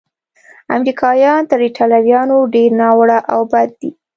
امریکایان تر ایټالویانو ډېر ناوړه او بد دي.